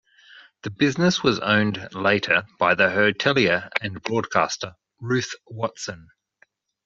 The business was owned later by the hotelier and broadcaster Ruth Watson.